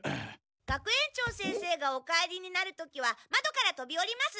学園長先生がお帰りになる時はまどからとびおります。